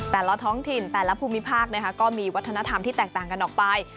แต่ละท้องถิ่นแต่ละภูมิภาคก็มีวัฒนธรรมที่แตกต่างกันออกไป